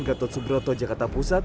gatot subroto jakarta pusat